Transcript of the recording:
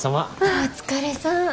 お疲れさん。